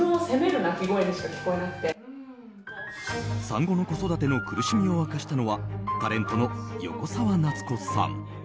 産後の子育ての苦しみを明かしたのはタレントの横澤夏子さん。